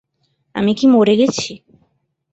আমি কি মরে গেছে?